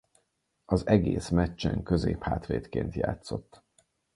Az egész meccsen középhátvédként játszott.